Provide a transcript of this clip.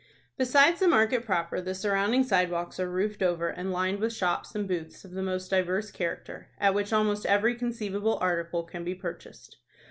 Besides the market proper the surrounding sidewalks are roofed over, and lined with shops and booths of the most diverse character, at which almost every conceivable article can be purchased.